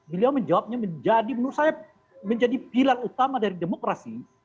beliau menjawabnya menjadi menurut saya menjadi pilar utama dari demokrasi